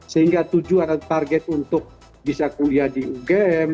sehingga tujuan dan target untuk bisa kuliah di ugm